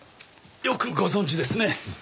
よくご存じですね。